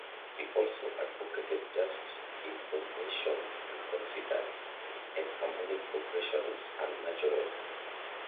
He also advocated just intonation and considered enharmonic progressions unnatural.